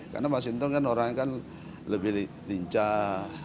karena masinton kan orangnya kan lebih lincah